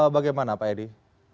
bagaimana pak edi